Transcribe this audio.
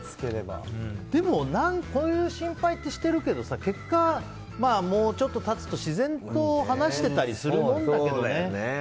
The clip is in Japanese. でもこういう心配ってしてるけど結果、もうちょっと経つと自然と話していたりするもんだけどね。